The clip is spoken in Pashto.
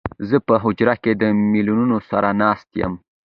زه په حجره کې د مېلمنو سره ناست يم